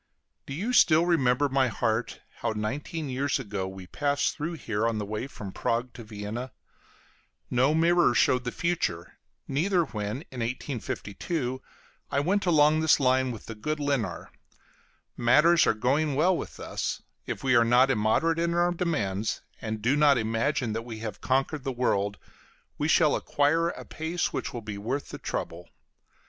Do you still remember, my heart, how nineteen years ago we passed through here on the way from Prague to Vienna? No mirror showed the future, neither when, in 1852, I went along this line with the good Lynar. Matters are going well with us; if we are not immoderate in our demands, and do not imagine that we have conquered the world, we shall acquire a pace which will be worth the trouble.